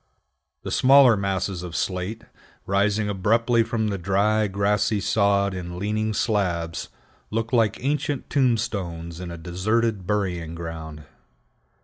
The smaller masses of slate, rising abruptly from the dry, grassy sod in leaning slabs, look like ancient tombstones in a deserted burying ground.